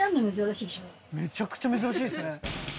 めちゃくちゃ珍しいっすね。